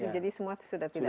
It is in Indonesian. jadi semua sudah tidak ada